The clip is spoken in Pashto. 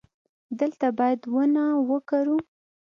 دلته باید ونه وکرو